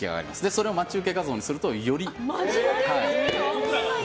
それを待ち受け画像にするとより。